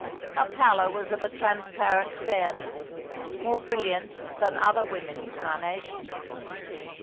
Her pallor was of a transparent fairness, more brilliant than other women's carnations.